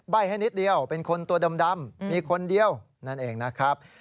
ให้นิดเดียวเป็นคนตัวดำมีคนเดียวนั่นเองนะครับ